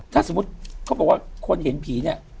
ถ้าสมมุติเขาบอกว่าคนเห็นผีเนี่ย